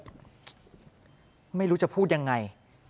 ก็ไม่รู้ว่าจะพูดยังไง